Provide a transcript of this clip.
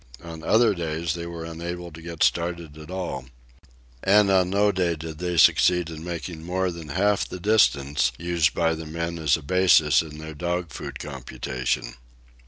On other days they were unable to get started at all. And on no day did they succeed in making more than half the distance used by the men as a basis in their dog food computation.